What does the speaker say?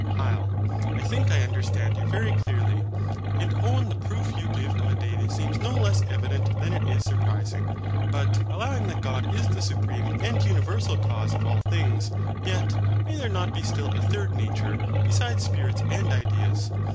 HYL. I think I understand you very clearly; and own the proof you give of a Deity seems no less evident than it is surprising. But, allowing that God is the supreme and universal Cause of an things, yet, may there not be still a Third Nature besides Spirits and Ideas?